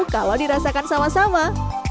kalau dirasakan sama sama